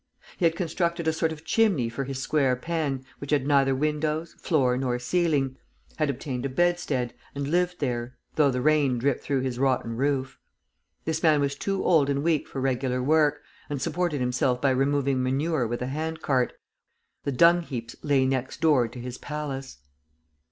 He had constructed a sort of chimney for his square pen, which had neither windows, floor, nor ceiling, had obtained a bedstead and lived there, though the rain dripped through his rotten roof. This man was too old and weak for regular work, and supported himself by removing manure with a hand cart; the dung heaps lay next door to his palace!